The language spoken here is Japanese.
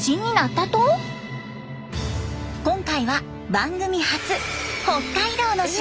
今回は番組初北海道の島。